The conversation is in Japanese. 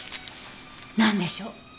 なんでしょう？